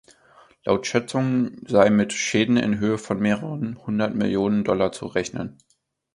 Laut Schätzungen sei mit Schäden in Höhe von mehreren hundert Millionen Dollar zu rechnen.